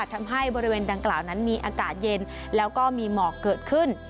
ทำให้บริเวณดังกล่าวนั้นมีอากาศเย็นแล้วก็มีหมอกเกิดขึ้น